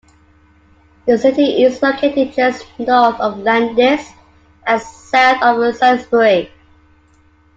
The city is located just north of Landis and south of Salisbury.